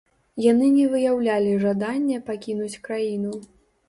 Яны не выяўлялі жаданне пакінуць краіну.